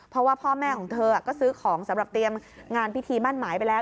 เพราะว่าพ่อแม่ของเธอก็ซื้อของสำหรับเตรียมงานพิธีมั่นหมายไปแล้ว